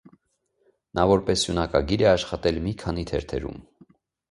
Նա որպես սյունակագիր է աշխատել մի քանի թերթերում։